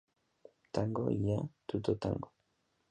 Tango y A Tutto Tango.